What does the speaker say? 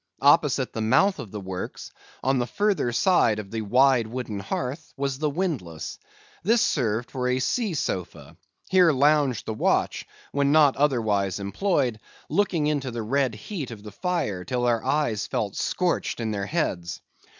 Opposite the mouth of the works, on the further side of the wide wooden hearth, was the windlass. This served for a sea sofa. Here lounged the watch, when not otherwise employed, looking into the red heat of the fire, till their eyes felt scorched in their heads.